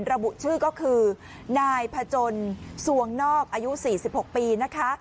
ระบุชื่อก็คือนายพจนสวงนอกอายุ๔๖ปีนะคะ